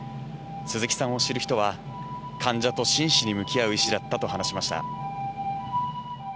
鈴木さんを知る人は、患者と真摯に向き合う医師だったと話しました。